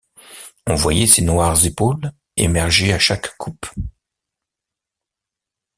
On voyait ses noires épaules émerger à chaque coupe.